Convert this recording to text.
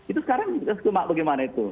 itu sekarang kita suka bagaimana itu